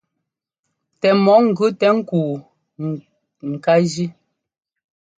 Tɛ mɔ ŋgʉ tɛ ŋ́kúu ŋ ká jí.